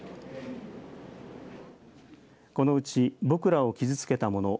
このうち僕らを傷つけたもの